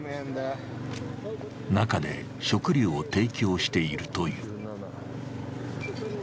中で食料を提供しているという。